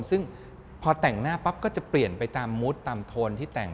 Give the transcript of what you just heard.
ซึ่งพอแต่งหน้าปั๊บก็จะเปลี่ยนไปตามมุดตามโทนที่แต่ง